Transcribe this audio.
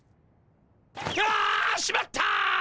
あ！しまった！